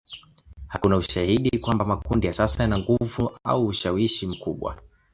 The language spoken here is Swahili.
Hakuna ushahidi kwamba makundi ya sasa yana nguvu au ushawishi mkubwa.